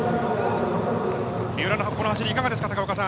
三浦の走り、いかがですか？